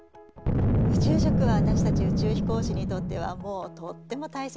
宇宙食は私たち宇宙飛行士にとってはもうとっても大切なものです。